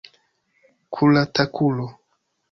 Kuratakulo!